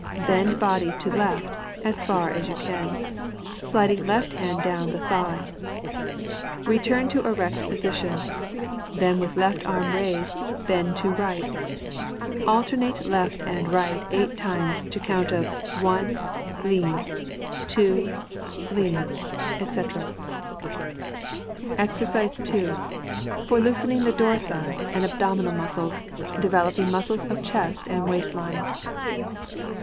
Bend body to left as far as you can, sliding left hand down the thigh. Return to erect position, then with left arm raised bend to right. Alternate left and right eight times to count of "one, lean; two, lean," etc. [Illustration: LOUISE GROODY] [Illustration: EXERCISE 2. _For loosening the dorsi and abdominal muscles, developing muscles of chest and waist line.